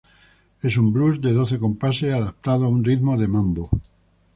Es un "blues" de doce compases adaptado a un ritmo de mambo.